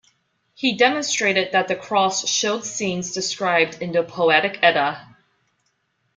He demonstrated that the cross showed scenes described in the "Poetic Edda".